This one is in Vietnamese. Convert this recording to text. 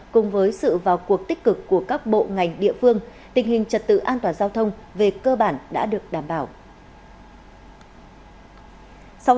cùng với sự vào cuộc tích cực của các bộ ngành địa phương tình hình trật tự an toàn giao thông về cơ bản đã được đảm bảo